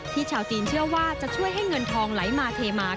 ชาวจีนเชื่อว่าจะช่วยให้เงินทองไหลมาเทมา